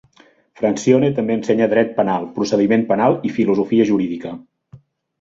Francione també ensenya dret penal, procediment penal i filosofia jurídica.